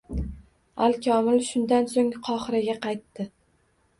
Al-Komil shundan so‘ng Qohiraga qaytdi